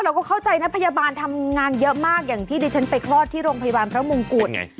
เราก็เข้าใจนะพยาบาลทำงานเยอะมากอย่างที่ดิฉันไปคลอดที่โรงพยาบาลพระมงกุฎไง